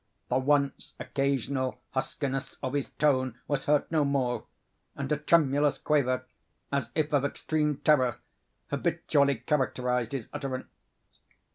The once occasional huskiness of his tone was heard no more; and a tremulous quaver, as if of extreme terror, habitually characterized his utterance.